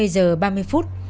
hai mươi giờ ba mươi phút